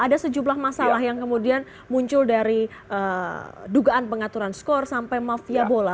ada sejumlah masalah yang kemudian muncul dari dugaan pengaturan skor sampai mafia bola